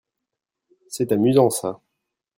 C'est amusant ça.